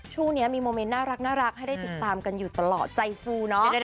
ช่วงนี้มีโมเมนต์น่ารักให้ได้ติดตามกันอยู่ตลอดใจฟูเนาะ